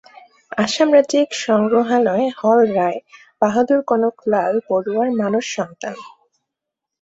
আসাম রাজ্যিক সংগ্রহালয় হল রায় বাহাদুর কনক লাল বরুয়ার মানস সন্তান।